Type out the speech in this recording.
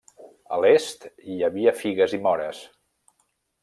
A l'est hi havia figues i mores.